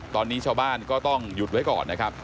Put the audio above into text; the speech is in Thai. ตอนนี้ชาวบ้านก็ต้องหยุดไว้ก่อนนะครับ